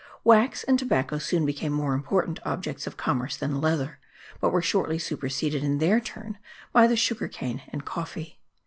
Wax and tobacco soon became more important objects of commerce than leather, but were shortly superseded in their turn by the sugar cane and coffee.